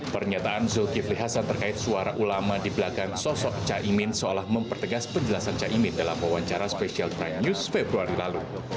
pernyataan zulkifli hasan terkait suara ulama di belakang sosok caimin seolah mempertegas penjelasan caimin dalam wawancara spesial prime news februari lalu